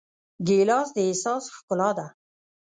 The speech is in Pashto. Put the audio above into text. ګیلاس د احساس ښکلا ده.